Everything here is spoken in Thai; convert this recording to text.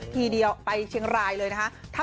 ทีเดียวไปเชียงรายเลยนะคะ